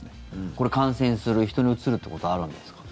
これ、感染する人にうつるってことはあるんですか？